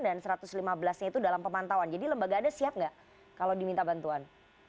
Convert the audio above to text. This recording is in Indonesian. dan satu ratus lima belas nya itu dalam pemantauan jadi lembaga anda siap nggak kalau diminta bantuan